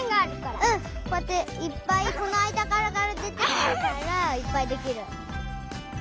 こうやっていっぱいこのあいだからでてくるからいっぱいできる。